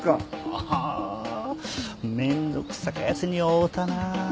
あぁめんどくさかやつに会うたなぁ。